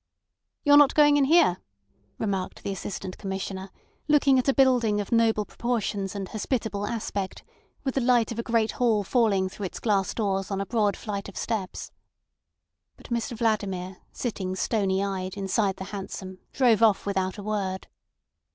"You're not going in here," remarked the Assistant Commissioner, looking at a building of noble proportions and hospitable aspect, with the light of a great hall falling through its glass doors on a broad flight of steps. But Mr Vladimir, sitting, stony eyed, inside the hansom, drove off without a word.